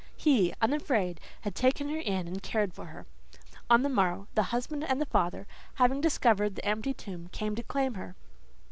He, unafraid, had taken her in and cared for her. On the morrow, the husband and father, having discovered the empty tomb, came to claim her.